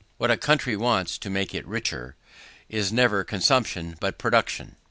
What a country wants to make it richer, is never consumption, but production.